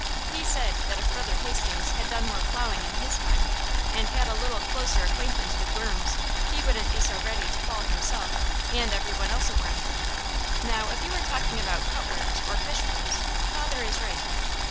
He said that if Brother Hastings had done more plowing in his time, and had a little closer acquaintance with worms, he wouldn't be so ready to call himself and every one else a worm. Now if you are talking about cutworms or fishworms, father is right.